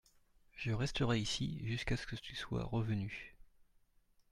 Je resterai ici jusqu’à ce que tu sois revenu.